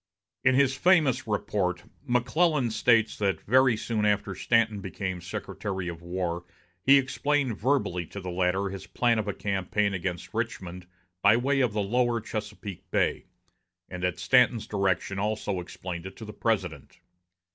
In his famous report, McClellan states that very soon after Stanton became Secretary of War he explained verbally to the latter his plan of a campaign against Richmond by way of the lower Chesapeake Bay, and at Stanton's direction also explained it to the President.